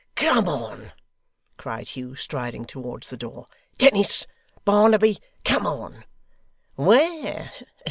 'Come on!' cried Hugh, striding towards the door. 'Dennis Barnaby come on!' 'Where?